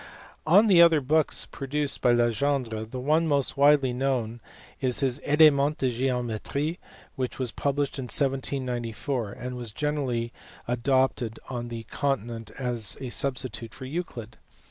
Of the other books produced by Legendre, the one most widely known is his Elements de geometrie which was published in 1794, and was generally adopted on the continent as a sub stitute for Euclid.